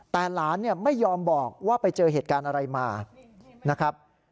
แต่หลานไม่ยอมบอกว่าไปเจอเหตุการณ์อะไรมานะครับ